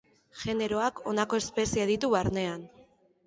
Generoak honako espezie ditu barnean.